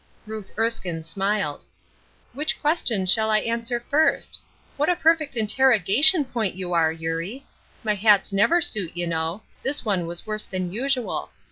Ruth Erskine smiled. "Which question shall I answer first? What a perfect interrogation point you are, Eurie. My hats never suit, you know; this one was worse than usual.